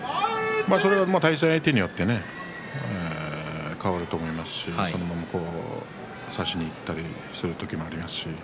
対戦相手によって変わると思いますし差しにいったりする時もあります。